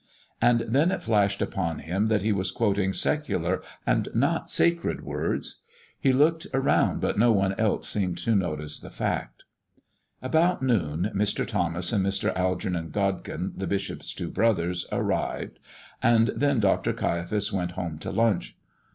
And then it flashed upon him that he was quoting secular and not sacred words. He looked around but no one else seemed to notice the fact. About noon Mr. Thomas and Mr. Algernon Godkin, the bishop's two brothers, arrived, and then Dr. Caiaphas went home to lunch.